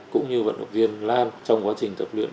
cũng như vận động viên lan trong quá trình tập luyện